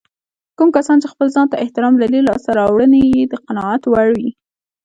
کوم کسان چې خپل ځانته احترام لري لاسته راوړنې يې د قناعت وړ وي.